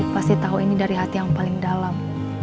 pasti tahu ini dari hati yang paling dalam